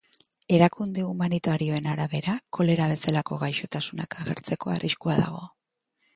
Erakunde humanitarioen arabera, kolera bezalako gaixotasunak agertzeko arriskua dago.